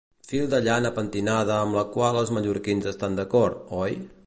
Fil de llana pentinada amb el qual els mallorquins estan d'acord, oi?